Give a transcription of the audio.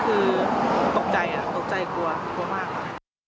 คือตกใจตกใจกลัวกลัวมากค่ะ